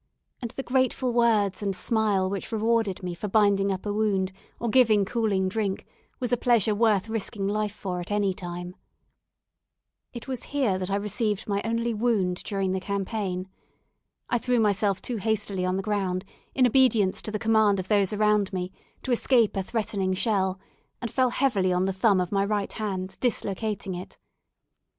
And the grateful words and smile which rewarded me for binding up a wound or giving cooling drink was a pleasure worth risking life for at any time. It was here that I received my only wound during the campaign. I threw myself too hastily on the ground, in obedience to the command of those around me, to escape a threatening shell, and fell heavily on the thumb of my right hand, dislocating it.